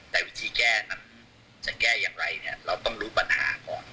แต่วิธีแก้นั้นจะแก้อย่างไรเนี่ยเราต้องรู้ปัญหาก่อน